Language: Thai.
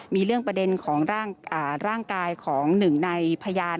มีเรื่องประเด็นของร่างกายของหนึ่งในพยาน